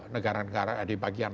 negara negara di bagian